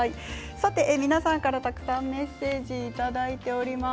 皆さんから、たくさんメッセージいただいています。